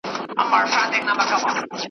په داسي حال کي چي .